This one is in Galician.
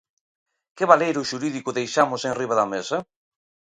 ¿Que baleiro xurídico deixamos enriba da mesa?